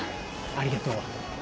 ありがとう